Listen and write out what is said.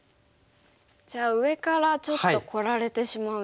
じゃあ上からちょっとこられてしまうんですね。